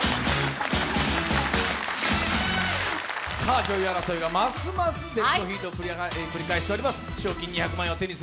上位争いがますますデッドヒートを繰り広げております。